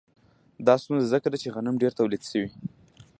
دا ستونزه ځکه ده چې غنم ډېر تولید شوي